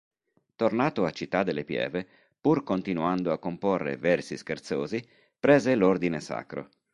Tornato a Città delle Pieve, pur continuando a comporre versi scherzosi, prese l'ordine sacro.